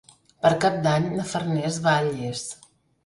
Per Cap d'Any na Farners va a Llers.